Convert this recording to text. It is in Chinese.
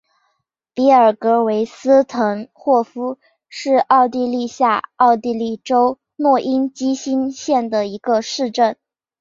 比尔格韦斯滕霍夫是奥地利下奥地利州诺因基兴县的一个市镇。